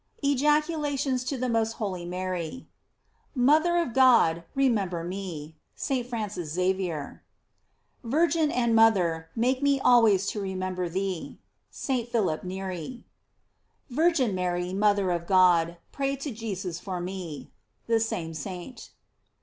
* EJACULATIONS TO THE MOST HOLY MARY. Mother of God, remember me. — St. Francu JZavier. Virgin and mother, make me always to re member thee. — St. Philip Neri. Virgin Mary, mother of. God, r>ray to Jesus for me. — The same Saint.